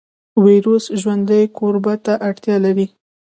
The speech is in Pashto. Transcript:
ویروس ژوندي کوربه ته اړتیا لري